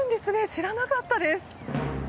知らなかったです。